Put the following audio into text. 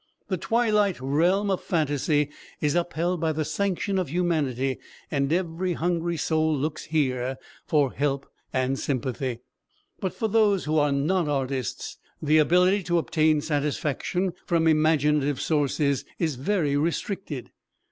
The twilight realm of phantasy is upheld by the sanction of humanity and every hungry soul looks here for help and sympathy. But for those who are not artists, the ability to obtain satisfaction from imaginative sources is very restricted.